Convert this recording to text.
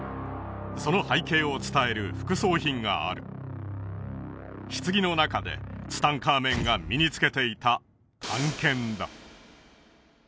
その背景を伝える副葬品がある棺の中でツタンカーメンが身に着けていた短剣だ